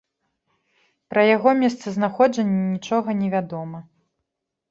Пра яго месцазнаходжанне нічога не вядома.